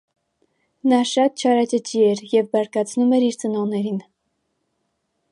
Նա շատ չարաճճի էր և բարկացնում էր իր ծնողներին։